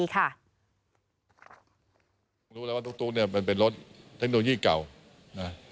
รู้แล้วว่าตุ๊กเป็นรถเทคโนโลยีเก่า